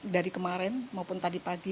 dari kemarin maupun tadi pagi